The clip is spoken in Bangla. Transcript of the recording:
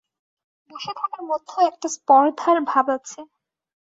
বসে থাকার মধ্যেও একটা স্পর্ধার ভাব আছে।